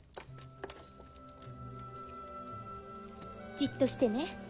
じっとしてね。